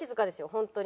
本当に。